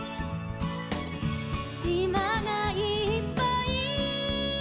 「しまがいっぱい」